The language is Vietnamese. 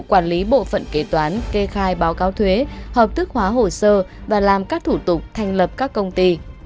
quản lý bộ phận kế toán kê khai báo cáo thuế hợp thức hóa hồ sơ và làm các thủ tục thành lập các công ty